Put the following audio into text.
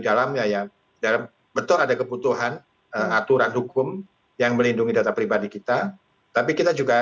dalamnya ya dalam betul ada kebutuhan aturan hukum yang melindungi data pribadi kita tapi kita juga